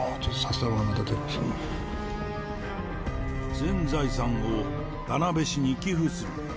全財産を田辺市に寄付する。